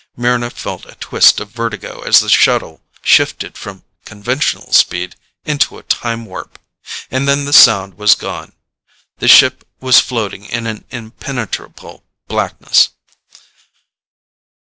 Mryna felt a twist of vertigo as the shuttle shifted from conventional speed into a time warp. And then the sound was gone. The ship was floating in an impenetrable blackness.